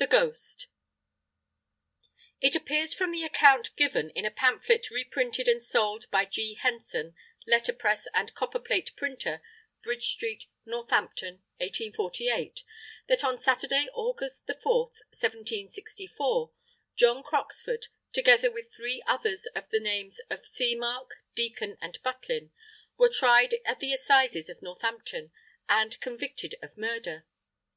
THE GHOST It appears from the account given in a pamphlet reprinted and sold by G. Henson, Letterpress and Copper plate Printer, Bridge Street, Northampton, 1848, that on Saturday, August 4, 1764, John Croxford, together with three others of the names of Seamark, Deacon and Butlin were tried at the Assizes of Northampton and convicted of murder.